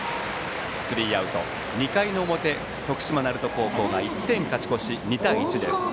スリーアウト、２回の表徳島・鳴門高校が１点勝ち越し、２対１です。